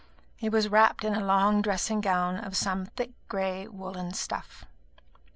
He was wrapped in a long dressing gown of some thick grey woollen stuff.